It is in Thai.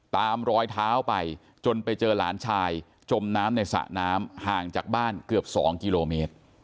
รอยเท้าไปจนไปเจอหลานชายจมน้ำในสระน้ำห่างจากบ้านเกือบ๒กิโลเมตร